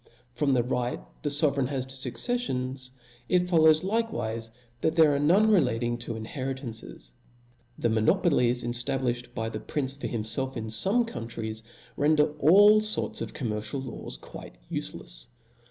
From the right the fovereign has to fucceffions, it follows likewife that there are none relating to inheritances. The monopolies eftabliflied by the prince fol himfelf in fome countries, render all forts of commercial laws io6 T H E S P I R I t Book laws quite ufelcfs.